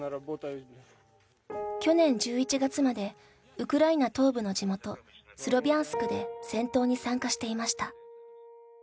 去年１１月までウクライナ東部の地元スロビャンスクで戦闘に参加していました。